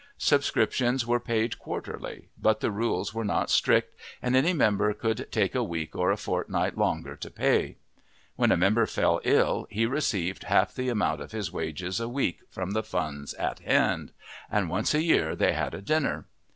Subscriptions were paid quarterly, but the rules were not strict, and any member could take a week or a fortnight longer to pay; when a member fell ill he received half the amount of his wages a week from the funds in hand, and once a year they had a dinner.